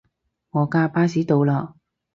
我架巴士到喇